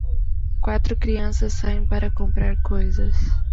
Quatro crianças saem para comprar coisas